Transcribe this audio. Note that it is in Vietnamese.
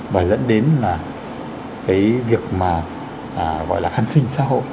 và dẫn đến là cái việc mà gọi là an sinh xã hội